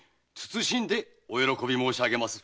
謹んでお慶び申し上げます。